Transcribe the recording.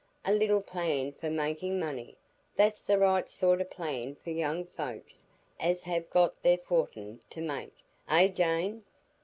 A little plan for making money; that's the right sort o' plan for young folks as have got their fortin to make, eh, Jane?"